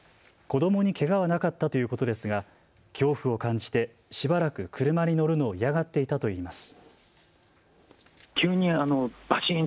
子どもにけがはなかったということですが恐怖を感じてしばらく車に乗るのを嫌がっていたといいます。